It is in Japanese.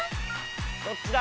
どっちだ？